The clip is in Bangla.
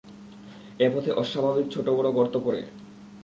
এ পথে অস্বাভাবিক ছোট বড় গর্ত পড়ে।